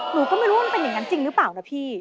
หนูก็ไม่รู้ว่ามันเป็นอย่างนั้นจริงหรือเปล่านะพี่